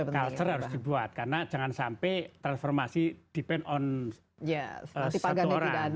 culture harus dibuat karena jangan sampai transformasi depend on satu orang